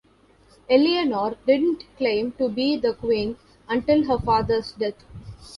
Eleanor didn't claim to be the queen until her father's death.